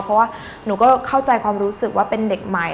เพราะว่าหนูก็เข้าใจความรู้สึกว่าเป็นเด็กใหม่